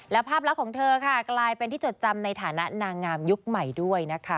และภาพลักษณ์ของเธอค่ะกลายเป็นที่จดจำในฐานะนางงามยุคใหม่ด้วยนะคะ